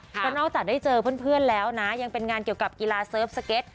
เพราะนอกจากได้เจอเพื่อนแล้วนะยังเป็นงานเกี่ยวกับกีฬาเซิร์ฟสเก็ต